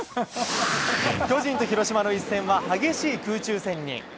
巨人と広島の一戦は、激しい空中戦に。